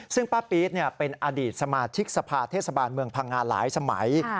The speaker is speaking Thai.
ซึ่งป้าปี๊ดเป็นอดีตสมาชิกสภาเทศบาลเมืองพังงาหลายสมัย